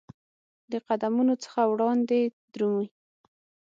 د قدمونو څخه وړاندي درومې